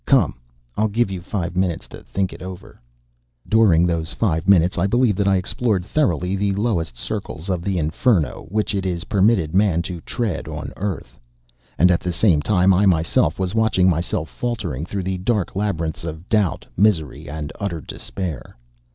Come! I'll give you five minutes to think over it." During those five minutes I believe that I explored thoroughly the lowest circles of the Inferno which it is permitted man to tread on earth. And at the same time I myself was watching myself faltering through the dark labyrinths of doubt, misery, and utter despair.